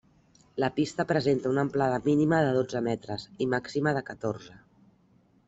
La pista presenta una amplada mínima de dotze metres i màxima de catorze.